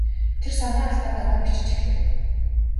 Тэр санаа алдаад дараа нь бичиж эхлэв.